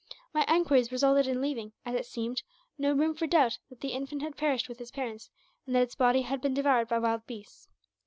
My enquiries resulted in leaving, as it seemed, no room for doubt that the infant had perished with his parents, and that its body had been devoured by wild beasts.